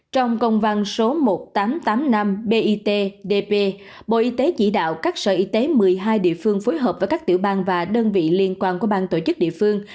trong công văn số một nghìn tám trăm tám mươi năm bitdp bộ y tế chỉ đạo các sở y tế một mươi hai địa phương phối hợp với các tiểu bang và đơn vị liên quan của bang tổ chức địa phương